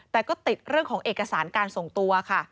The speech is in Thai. แต่ก็ติดเรื่องของเอกสารการส่งตัวค่ะ